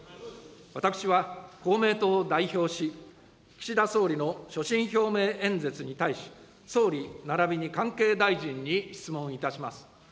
私は公明党を代表し、岸田総理の所信表明演説に対し、総理ならびに関係大臣に質問いたします。